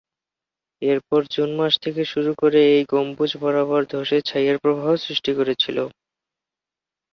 এরপর জুন মাস থেকে শুরু করে, এই গম্বুজ বারবার ধসে ছাইয়ের প্রবাহ সৃষ্টি করেছিল।